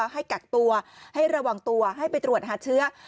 ให้กักตัวให้ระวังตัวให้ไปตรวจหาเชื้อ